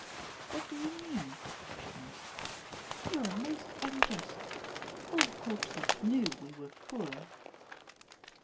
*' What do you mean ?" she asked. " You are most un just. All Koopstad knew we were poor."